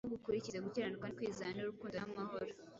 ahubwo ukurikize gukiranuka no kwizera n’urukundo n’amahoro,